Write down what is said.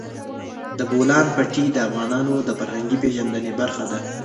د بولان پټي د افغانانو د فرهنګي پیژندنې برخه ده.